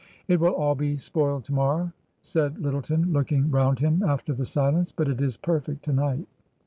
" It will all be spoiled to morrow," said Lyttleton, look ing round him after the silence ;" but it is perfect to night."